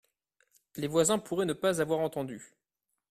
Les voisins pourraient ne pas avoir entendu.